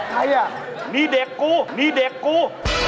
ใครน่ะนี่เด็กกูนี่เด็กกู